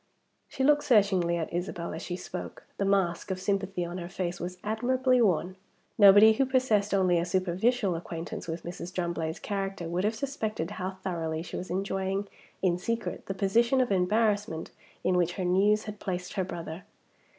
She looked searchingly at Isabel as she spoke. The mask of sympathy on her face was admirably worn. Nobody who possessed only a superficial acquaintance with Mrs. Drumblade's character would have suspected how thoroughly she was enjoying in secret the position of embarrassment in which her news had placed her brother.